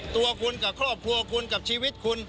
ตัวคุณกับครอบครัวคุณกับชีวิตคุณ